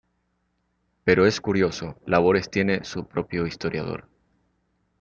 Pero es curioso, Labores tiene su propio historiador.